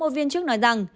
một viên chức nói rằng